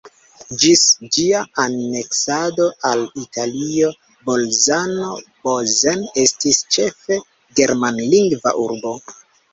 Ĝis ĝia aneksado al Italio Bolzano-Bozen estis ĉefe germanlingva urbo.